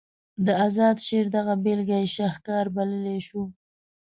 د اذاد شعر دغه بیلګه یې شهکار بللی شو.